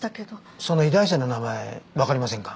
その医大生の名前わかりませんか？